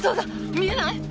見えない！？